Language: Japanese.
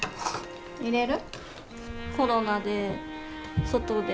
入れる？